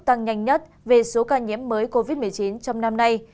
tăng nhanh nhất về số ca nhiễm mới covid một mươi chín trong năm nay